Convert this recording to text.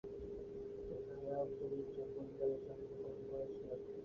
গায়ক দরিদ্র পরিবারে জন্মগ্রহণ করেছিলেন।